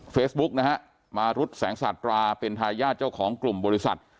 เฟซบุ๊กนะฮะมารุดแสงสาตราเป็นทายาทเจ้าของกลุ่มบริษัท